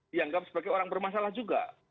dianggap sebagai orang bermasalah juga